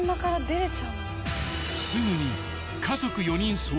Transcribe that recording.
［すぐに］